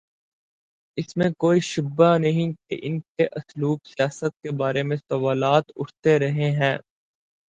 اس میں کوئی شبہ نہیں کہ ان کے اسلوب سیاست کے بارے میں سوالات اٹھتے رہے ہیں۔